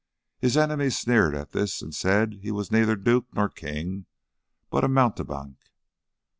His enemies sneered at this and said he was neither duke nor king, but a a mountebank.